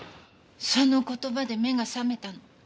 その言葉で目が覚めたの。